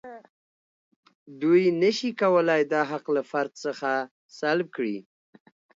دوی نشي کولای دا حق له فرد څخه سلب کړي.